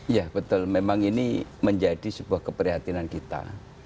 ya betul memang ini menjadi sebuah keprihatinan kita